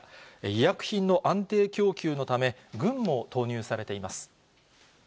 医薬品の安定供給のため、軍も投入されています。